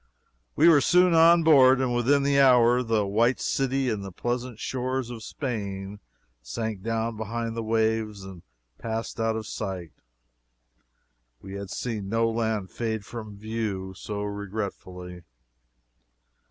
We were soon on board, and within the hour the white city and the pleasant shores of Spain sank down behind the waves and passed out of sight. We had seen no land fade from view so regretfully.